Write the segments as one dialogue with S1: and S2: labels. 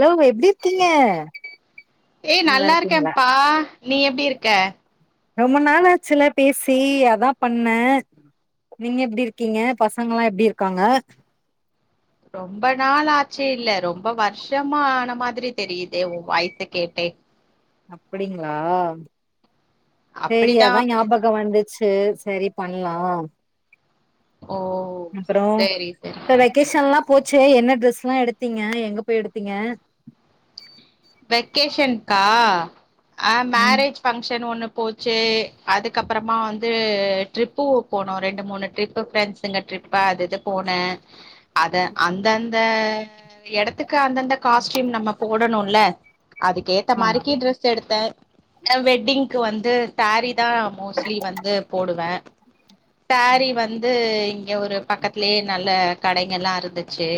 S1: Hello எப்டி இருக்கீங்க
S2: ஏய்
S1: நல்லா இருக்கீங்களா
S2: இருக்கேன்ப்பா நீ எப்டி இருக்க
S1: ரொம்ப நாளாச்சுல்ல பேசி அதா பண்ணே நீங்க எப்டி இருக்கீங்க பசங்கல்லா எப்டி இருக்காங்க
S2: ரொம்ப நாள் ஆச்சு இல்ல ரொம்ப வருஷமா ஆன மாதிரி தெரியுதே உ வாய்ஸ கேட்டே
S1: அப்புடிங்களா சேரி
S2: அப்படிதான்
S1: அதா
S2: அப்படிதான்
S1: ஞாபக வந்துச்சு சேரி சரி பண்லா
S2: ஓ சேரி சேரி
S1: போச்சே என்ன ட்ரெஸ்ல்லா எடுத்தீங்க எங்க போய் எடுத்தீங்க
S2: வெகேஷன்கா ஆ
S1: ம்
S2: மேரேஜ் பங்க்ஷன் ஒண்ணு போச்சு அதுக்கப்பறமா வந்து ட்ரிப்பு போனோ ரெண்டு மூணு ட்ரிப்பு ஃப்ரெண்ட்ஸுங்க ட்ரிப்பு அது போனே அத அந்தந் இந்த எடத்துக் க்கு அந்தந்த காஸ்டியூம் நம்ம போ போடனுல்ல அதுக்கேத்த
S1: ஆமா
S2: மாரிக்கு டிரஸ் எடுத்தே எ வெட்டிங்க்கு வந்து சேரி தா மோஸ்ட்லி வந்து போடுவே சேரீ வந்து இங்க ஒரு பக்கத்தலயே நல்ல கடைங் எல்லா இருந்துச்சி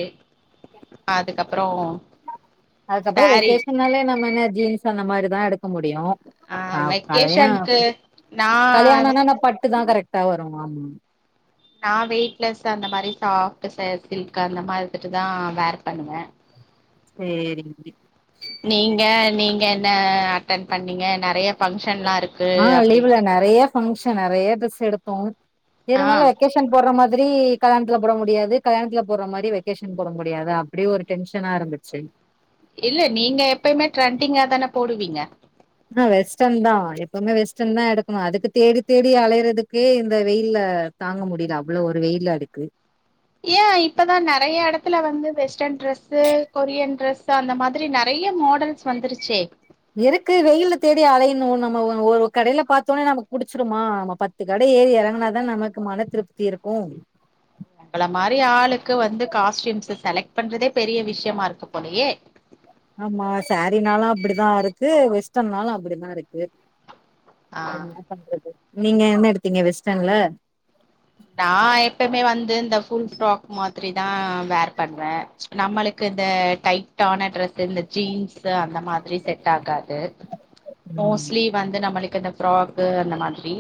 S2: அதுக்கப்பறோ
S1: அதுக்கப்றோ
S2: சேரி
S1: [inaudible] ஜீன்ஸ் அந்த மாரிதா எடுக்க முடியு ஆ கல்யாண
S2: நா
S1: கல்யாணன்னா என்ன
S2: வந்து
S1: பட்டு தா கரெக்ட் தவறுமாம்
S2: நா வெயிட்லெஸ் அந்த மாரி சாப்ட்டு செயர் சில்க் அந்த மாரிதிட்டு தா வேர் பண்ணுவ
S1: சேரி
S2: நீங்க நீங்க நீங்கன் ன்ன அட்டன் பண்ணீங்க நெறையா பங்க்ஷ
S1: ஆ லீவ்ல நெறையா ஃபங்ஷன் நெறையா டிரெஸ் எடுத்தோ
S2: ஆ
S1: இருந்தாலு வெக்கேஷன் போட்ற மா இதிலி கல்யாண்த்ல போட முடியாது கல்யாண்த்ல போட்ற மாரி வெக்கேஷன் போட முடியாது அப்டி ஒரு டென்ஷனா இருந்துச்சு
S2: இல்ல நீங்க எப்பய்மே ட்ரெண்டிங்கா தான போடுவீங்க
S1: ஆ வெஸ்டர்ன் தா எப்பவுமே வெஸ்டர்ன் தா எடுக்கணு அதுக்குத் தேடித் தேடியே அலயறதுக்கே இந்த வெயில்ல தாங்க முடியல அவ்ளோ ஒரு வெயிலாடுக்கு
S2: ஏ இப்பதா நெறையா எடத்துல வந்து வெஸ்டர்ன் டிரெஸ்ஸு கொரியன் டிரெஸ்ஸு அந்த மாதிரி நெறையா மாடல்ஸ் வந்துருச்சே
S1: இதுக்கு வெயில்ல தேடி அலையுணு நம்ம ஒ ஒரு கடையில பாத்தோன நமக்கு புடிச்சுருமா நம்ம பத்து கட ஏறி எறங்குனாதா நமக்கு மன திருப்தி இருக்கு
S2: நம்பல மாறி ஆளுக்கு வந்து காஸ்ட்யூம்ஸ் செலக்ட் பண்றதே பெரிய விஷ்யமா இருக்கு போலையே
S1: ஆமா சாரினாலு அப்டிதா இருக்கு வெஸ்ட்டன்னாலு அப்டிதா இருக்கு
S2: ஆ
S1: என்னா பன்றது நீங்க என்ன எடுத்தீங்க வெஸ்ட்டன்ல
S2: நா எப்பமே வந்து இந்த ஃபுல் ஃப்ராக் மாதிரிதா வேர் பண்வன நம்மளுக்கு இந்த டைட்டான டிரெஸ்சு இந்த ஜீன்ஸ்சு அந்த மாதிரி செட்டாகாது டு மோஸ்லி வந்து நம்மளுக்கு இந்த ஃப்ராக்கு அந்த மாதிரி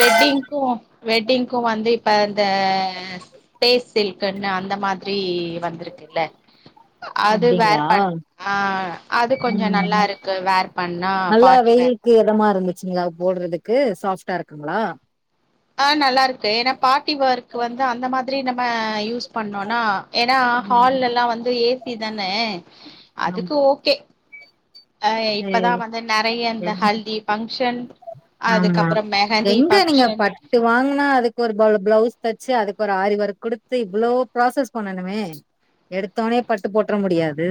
S2: வெட்டிங்கூ வெட்டிங்க்கும் வந்துப் இப்ப இந்த ஃபேஸ் சில்க்குன்னு அந்த மாதிரி வந்திருக்குல்ல அது வேர்
S1: அப்டிங்களா
S2: பண் ஆ அது கொஞ்ச நல்லா
S1: ம்
S2: இருக்கு வேர் பண்ணா பார்டி வேர்
S1: ச்சிங்கா போட்றதுக்கு சாஃப்ட்டா இருக்காங்களா
S2: ஆ நல்லா இருக்கு ஏன்னா வேர்க்கு வந்தா அந்த மாதிரி நம்ம யூஸ் பண்ணோனா ஏன்னா ஹால் லெல்லா வந்து ஏ சி டீ தான அதுக்கு
S1: ஆமா
S2: ஓகே அ இப்பதா
S1: சேரி
S2: வந்து நெறைய இந்த
S1: சேரி
S2: ஹல்தி ஃபங்க்ஷன்
S1: ஆமா
S2: அதுக்கப்புறம் மெஹந்தி
S1: எங்க நீங்க
S2: ஃபங்க்ஷன்
S1: பட்டு வாங்னா அதுக்கு ஒரு பளு பிளவு பூஸ் தச்சு அதுக்கு ஒரு ஆரி ஒர்க் குடுத்து இவ்ளோ ப்ராசஸ் பண்ணனுமே எடுத்தவொனே பட்டு போட்ற முடியாது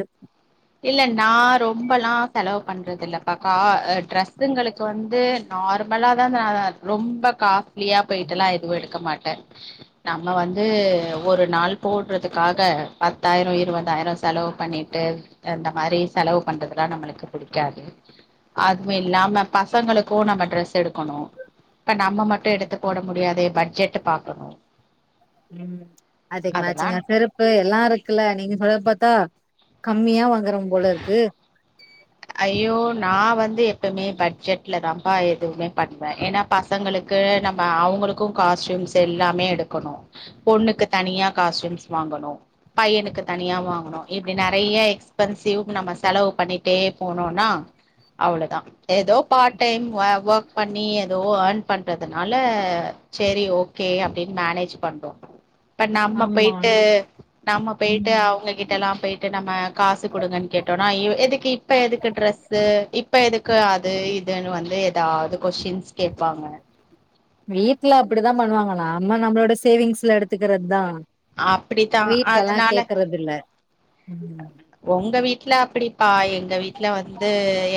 S2: இல்ல நா ரொம்பல்லா செலவு பண்றதில்லப்பா கா ட்ரெஸ்சுங்ளுக்கு வந்து நார்மலாதா த ரொம்ப கா லியா போய்ட்டுலா எதுவு எடுக்க மாட் ல்ல நம்ம வந்து ஒரு நாள் போட்றதுக்காக பத்தாயிர இருவதாயிர செலவு பண்ணிட்டு அந்த மாறி செலவு பண்றதுலா நம்மளுக்கு புடிக்காது அதுவு இல்லாம பசங்களுக்கு நம்ம ட்ரெஸ் எடுக்கணு இப்ப நம்ம மட்டு எடுத்து போட முடியாதே பட்ஜெட் பாக்கணு
S1: உம் அதுக்கு
S2: அதெல்லா
S1: மேச்சீங்கா செருப்பு எல்லா இருக்குல்ல நீங்க சொல்றத பாத்தா கம்மியா வாங்கறம் போல இருக்கு
S2: ஐயோ நா வந்து எப்பமே பட்ஜெட்ல தாம்ப்பா எதுவுமே பண்வன ஏனா பசங்களுக்கு நம்ப அவுங்களுக்கு காஸ்ட்யூம்ஸ் எல்லாமே எடுக்கணு பொண்ணுக்கு தனியா காஸ்ட்யூம்ஸ் வாங்கணு பையனுக்கு தனியா வாங்ணு இப்டி நெறைய எக்ஸ்பென்சிவ் நம்ம செலவு பண்ணிட்டேப் போனோனா அவ்ளோதா ஏதோ பார்ட் டைம் வ ஒர்க் பண்ணி ஏதோ ஏர்ன் பண்றதுனால செரி ஓகே அப்டினு மேனேஜ் பண்றோ இப்ப நம்ம
S1: ஆமா
S2: பெய்ட்டு நம்ம பெய்ட்டு
S1: ம்
S2: அவுங்க கிட்டல்லாம் பெய்ட்டு நம்ம காசு குடுங்கன் கேட்டோனா அய்யோ எதுக்கு இப் இப்ப எதுக்கு ட்ரஸ்சு இப்ப எதுக்கு அது இதுன் வந்து எதாவ்து கொஸ்ஷின்ஸ் கேப்பாங்க
S1: ப்புடு தா பண்ணுவாங்க நாம்ம நம்முளோட சேவிங்ஸ்ல எடுத்துக்குறத்தா
S2: ஆப்டிதா அதுனால
S1: [inaudible]
S2: ஒங்க வீட்ல அப்புடிப்பா எங்க வீட்ல வந்து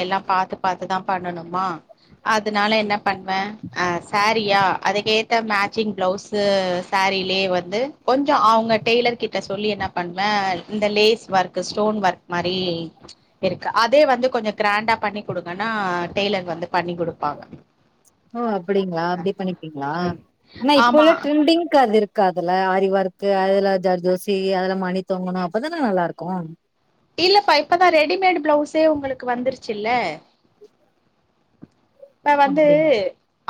S2: எல்லா பாத்து பாத்துதா பண்ணனுமா அதுனால என்ன பண்வ அ சாரியா அதுக்கேத்த மேச்சிங் ப்ளவுஸு சாரிலே வந்து கொஞ்சொ அவுங்க டெய்லர் கிட்ட சொல்லி என்ன பண்வ இந்த லேஸ் வர்க் து ஸ்டோன் வர்க் மாரீ இருக்கு அதே வந்து கொஞ்ச க்ராண்டா பண்ணி குடுங்கன்னா டெய்லர் வந்து பண்ணி குடுப்பாங்க
S1: ஓ அப்டிங்களா அப்டேட் பண்ணிற்கீங்களா
S2: ம் ஆமா
S1: காதுல ஆரிவொர்க்கு அதுல ஜர்தோசி அதுல மணி தொங்கணோ அப்பதானா நல்லாருக்கு
S2: இல்லப்பா இப்பதா ரெடிமேட் ப்ளவுசே உங்களுக் க்கு வந்துருச்சில்ல வந்து
S1: அப்டிங்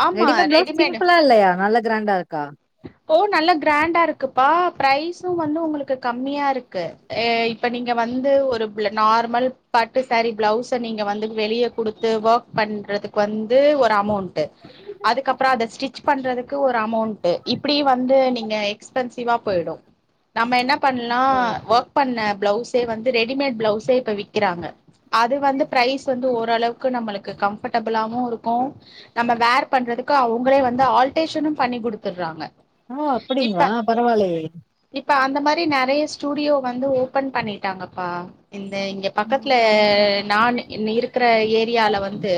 S2: ஆமா
S1: ரெடிமேட் ப்ளவுஸ்
S2: ரெடிமேடு
S1: சிம்பிளா இல்லயா நல்ல கிராண்டா இருக்கா
S2: ஓ நல்ல கிராண்டா இருக்குப்பா ப்ரைசும் வந்து உங்குளுக்கு கம்மியா இருக்கு. ஏ இப்ப நீங்க வந்து ஒரு ப்ள நார்மல் பட்டு சேரி ப்ளவுஸ நீங்க வந்து வெளிய குடுத்து ஒர்க் பண்றதுக்கு வந்து ஒரு அமௌண் ட்டு அதுக்கப்ற அத ஸ்டிச் ஸ்ட்ச் பண்றதுக்கு ஒரு அமௌண்ட்டு இப்பிடி வந்து நீங்க எக்ஸ் ஃபென்சிவா போயிடு. நம்ம என்ன பண்லா
S1: ம்
S2: ஒர்க் பண்ண ப்ளவுஸே வந்து ரெடிமேட் ப்ளவுஸே இப்ப விக்கிறாங்க அது வந்து ப்ரைஸ் வந்து ஓர் அளவுக்கு நம்மளுக்கு கம்ஃபர்டபுளாவு இருக்கு நம்ம வேர் பண்றதுக்கு அவுங்களே வந் ந்து ஆல்டேஷனும் பண்ணி குடுத்
S1: ஓ அப்டிங்களா பரவாலேயே
S2: இப்ப அந்த மாரி நெறைய ஸ்டூடியோ வந்து ஓபன் பண்ணிட்டாங்கப்பா. இல்ல இங்க பக்கத்ல
S1: ம்
S2: நான்னி இந்ன இருக்குறா ஏரியால வந்து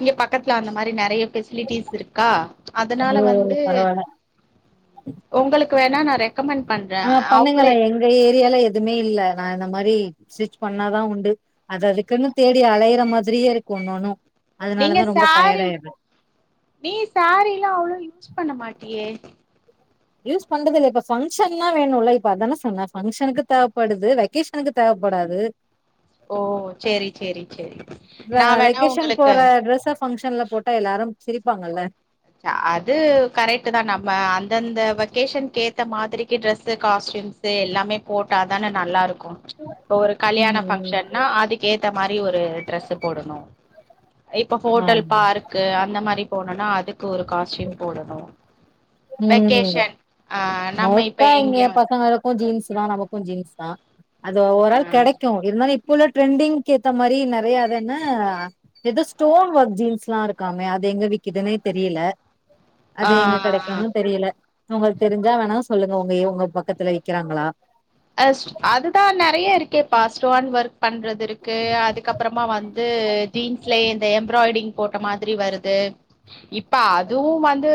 S2: இங்க பக்கத்ல அந்த மாரி நெறைய ஃபெசிலிட்டீஸ் இருக்கா
S1: ஓ
S2: அதனால வந்து
S1: பரவால்ல
S2: உங்களுக்கு வேர் நா நரே
S1: ஓ பண்ணுங்களே எங்க ஏரியால எதுவுமே இல்ல நா இந்த மாரி ஸ்டிச் பண்ணாதா உண்டு. அது அதுக்குன்னு தேடி அலையுற மாதிரியே இருக்கு ஒன்னொன்னு
S2: நீங்க
S1: அதனாலதா ரொம்ப டயர்ட்
S2: சாரி
S1: ஆயிடுற
S2: நீ சாரில்லா அவ்ளோ யூஸ் பண்ண மாட்டியே.
S1: யூஸ் பண்றது இல்ல இப்ப ஃபங்ஷன்னா வேணுல்ல இப்ப அதான சொன்ன ஃபங்ஷனுக்கு தேவப்படுது வெகேஷனுக்கு தேவப்படாது
S2: ஓ செரி செரி செரி நா வேணா உங்களுக்கு
S1: ஃபங்ஷன்ல போட்டா எல்லாரும் சிரிப்பாங்கல்ல
S2: அது கேஷன்க்கேத்த மாத்ரிக்கு ட்ரெஸ்ஸு காஸ்ட்யூம்ஸ்ஸு எல்லாமே போட்டா தானே நல்லாருக் கூ இப்போ ஒரு கல்யாண
S1: ம் ம்
S2: ஃபங்ஷன்னா அதுக்கேத்த மாரி ஒரு ட்ரெஸ்ஸு போடணு. இப்ப ஹோட்டல்
S1: ஆமா
S2: பார்க்கு அந்த மாரிப் போனோனா அதுக் கு ஒரு காஸ்டியூம் போடணூ
S1: ம்
S2: வெக்கேஷன் ஆ நம்ம இப்ப
S1: மோஸ்ட்டா இங்க
S2: எங்கயாவது
S1: பசங்களுக்கூ ஜீன்ஸ் தா நமக்கூ ஜீன்ஸ் தா அது ஓவரால் கெடைக்கூ இருந்தாலூ இப் ப உள்ள ட்ரெண்டிங்கேத்த மாரி நறைய அதென்ன எதோ ஸ்டோன் ஒர்க் ஜீன்ஸ்லா இருக்காமே அது எங்க விக்குதுன்னே தெரீல
S2: ஆ
S1: அது எங்க
S2: ஆ
S1: கிடைக்கோனு தெரியல நமக் தெரிஞ்சா வேணா சொல்லுங்க உங்க இவங்க பக்கத்துல விக்கிறாங்களா
S2: அஸ் அதுதா நறைய இருக்கேப்பா ஸ்டோன் வர்க் பண்றதிருக்கு அதுக்கப்றமா வந்து ஜீன்ஸ்லயே இந்த எம்ப்ராய்டிங் போட்ட மாத்ரி வருது இப்ப அதுவூ வந்து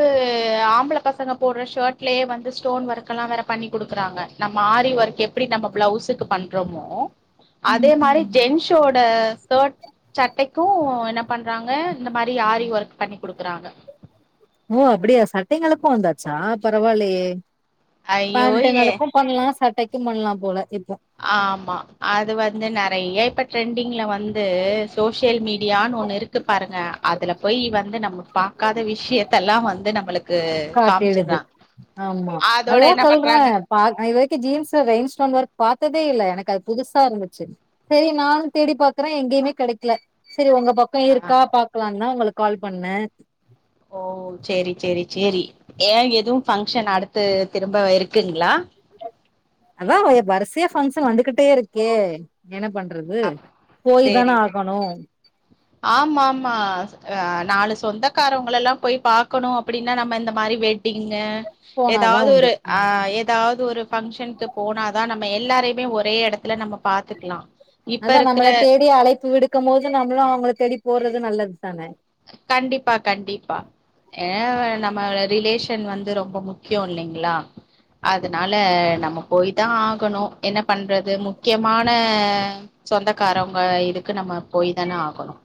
S2: ஆம்பள பசங்க போடுற ஷர்ட்லயே வந்து ஸ்டோன் வர்க்கெல்லா வேற பண்ணி குடுக்குறாங்க நம்ம ஆரி வர்க் எப்டி நம்ம ப்ளௌஸுக்கு பண்றோமோ அதே
S1: ம்
S2: மாரி
S1: ம்
S2: ஜென்ஷோட ஸ்கர்ட் சட்டைக்கூ என்ன பண்றாங்க இந்த மாரி ஆரீ வர்க் பண்ணி குடுக்குறாங்க
S1: ஓ அப்டியா சட்டைங்களுக்கூ வந்தாச்சா பரவால்லையே
S2: ஐயோ ஏ
S1: பேண்டுங்களுக்கூ பண்லா சட்டைக் தும் பண்லா போல இர்
S2: ஆமா அது வந்து நறைய இப்பட் ட்ரெண்டிங்ல வந்து சோஷியல் மீடியானு ஒன்னு இருக்கு பாருங்க அதுல போய் வந்து நம்ம பாக்காத விஷயத்தல்லா வந்து நம்ளுக்
S1: காட்டிடுது ஆமா
S2: அதோட
S1: அதுதா
S2: என்ன
S1: சொல்றே
S2: பண்றாங்க
S1: பாக் [unintelligible] து ஜீன்ஸ்ல ரெயின்ஸ்டோன் வர்க் பாத்ததே இல்ல எனக்கு அது புதுசா இருந்துச்சு சரி நானூ தேடி பாக்குற எங்கேயுமே கிடைக்கல சரி உங்க பக்கோ
S2: ஆ
S1: இருக்கா பாக்கலாந்தா உங்களுக் கால் பண்ணே
S2: ஓ சேரி சேரி சேரி ஏ எதுவூ ஃபங்க்ஷன் அடுத்து திரும்ப இருக்குங்களா
S1: அதா எப் வரிசையா பஃங்க்ஷன் வந்துகிட்டேருக்கே என்ன பண்றது
S2: அ
S1: போய் தானே ஆகணூ
S2: ஆமாம் மாஸ் அ நாலு சொந்தக் க்காரவங்களல்லா போய் பாக்கணூ அப்டின்னா நம்ம இந்த மாரி வெட் ங்கு
S1: போனாதா
S2: ஏதாவ்து
S1: உண்டு
S2: ஒரு ஆ ஏதாவ்த் ஒரு ஃபங்க்ஷன்க்கு போனாதா நம்ம எல்லாரையுமே ஒரே எடத்துல நம்ம பாத்துக்லா
S1: அதா நம்மள தேடி அலைப்பு விடுக்கும் போது நம்மளும் அவங்கள தேடி போறது நல்லது தானே
S2: கண்டிப்பா கண்டிப்பா எ நம்ம ரிலேஷன் வந்து ரொம்ப முக்கியம் இல்லைங்களா அதனால நம்ம போய் தா ஆகணும் என்ன பண்றது முக்கியமான சொந்தக்காரவங்க இதுக்கு நம்ம போய் தானே ஆகணும்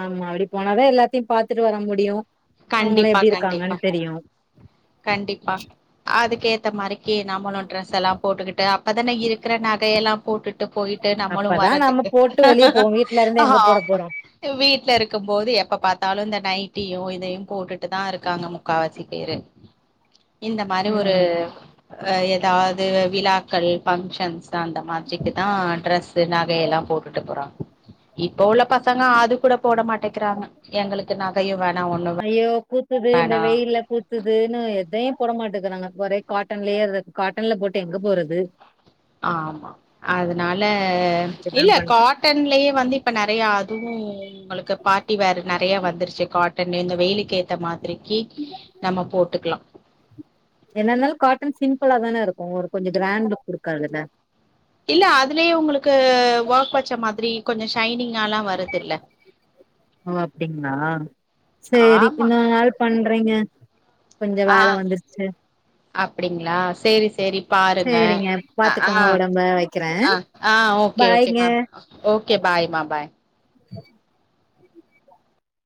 S1: ஆமா அப்படி போனாதா எல்லாத்தையும் பாத்துட்டு வர முடியும்
S2: கண்டிப்பா கண்டிப்பா கண்டிப்பா அதுக்கு க்கே ஏத்த மாரிகே நம்மளும் டிரெஸ் எல்லாம் போட்டுக்கிட்டு அப்பதானே இருக்கிற நகையெல்லாம் போட்டுட்டு போயிட்டு நம்மளும்
S1: அப்பதா நம்ம
S2: வரதுக்கு
S1: போட்டு வெளிய போவோ வீட்ல இருந்து எங்க போட
S2: ஆமா
S1: போறோ
S2: வீட்டுல இருக்கும் போது எப்ப பார்த்தாலும் இந்த நைட்டி நயிட்டியும் இதையும் போட்டுட்டு தா இருக்காங்க முக்கால்வாசி பேரு இந்த மாதிரி ஒரு
S1: ம்
S2: ஏதாவது விழாக்கள் பஃங்க்ஷன்ஸ் அந்த மாதிரிக்கு தா ட்ரெஸ் நகை எல்லாம் போட்டுட்டு போறோம் இப்போ உள்ள பசங்க அது கூட போட மாட்டேக்கிறாங்க எங்களுக்கு நகையும் வேணாம் ஒண்ணும் வேண
S1: குத்துது இந்த வெயில குத்துதுன்னு எத போட மாட்டேங்கிறாங்க ஒரே காட்டன்லயே காட்டன்ல போட்டு எங்க போறது
S2: ஆமா அதனால
S1: அப்டிதா
S2: இல்ல
S1: பண்றா
S2: காட்டன்லயே வந்து இப்ப நிறைய அதுவும் உங்களுக்கு பார்ட்டி வேர் நிறைய வந்துருச்சு காட்டன் இந்த வெயிலுக்கு ஏத்த மாத்தி திரிகி நம்ம போட்டுக்கலாம்
S1: என்ன இருந்தாலும் காட்டன் சிம்பிளா தானே இருக்கும் ஒரு கொஞ்சம் கிராண்ட் லுக் கொடுக்கதுல
S2: இல்ல அதுலயே உங்களுக்கு ஒர்க் வச்ச மாதிரி கொஞ்சம் ஷைனிங்கால்லாம் வருதுல்ல
S1: ஓ அப்படிங்களா சரிக்
S2: ஆமா
S1: இன்னொரு நாள் பண்றங்க கொஞ்சம் வேல வந்துருச்சு
S2: அப்படிங்களா செரி செரி பாருங்க
S1: சேரிங்க பாத்துக்கோங்க
S2: ஆஹ்
S1: ஒடம்ப வைக்கிறே
S2: ஆஹ ஓகேகே
S1: பாய்ங்க
S2: மா ஓகே பாய் மா பாய்
S1: [inaudible]